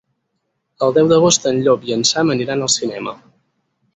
El deu d'agost en Llop i en Sam aniran al cinema.